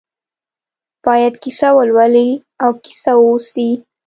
باید کیسه ولولي او کیسه واوسي.